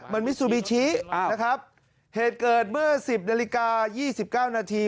มันมิซูบิชินะครับเหตุเกิดเมื่อ๑๐นาฬิกา๒๙นาที